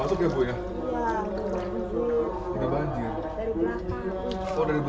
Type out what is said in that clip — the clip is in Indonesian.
udah boleh masuk ya bu ya